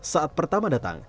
saat pertama datang